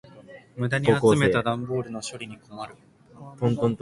無駄に集めた段ボールの処理に困る。